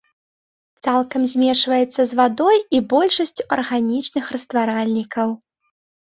Цалкам змешваецца з вадой і большасцю арганічных растваральнікаў.